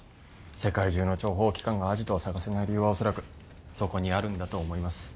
世界中の諜報機関がアジトをさがせない理由は恐らくそこにあるんだと思います